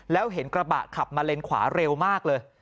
แล้วเห็นกระบะขับมาเลนขวาเร็วมากเลย